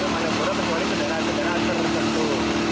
malioboro kecuali kendaraan kendaraan terkumpul